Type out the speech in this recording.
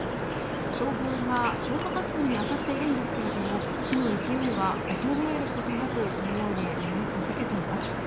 消防が消火活動に当たっているんですが火の勢いは衰えることなく燃え続けています。